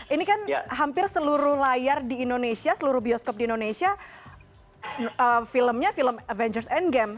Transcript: ini kan hampir seluruh layar di indonesia seluruh bioskop di indonesia filmnya film avengers endgame